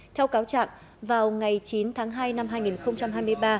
theo cáo trạng vào ngày chín tháng hai năm hai nghìn một mươi chín